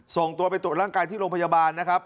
ส่งตัวไปตรวจร่างกายที่โรงพยาบาลนะครับ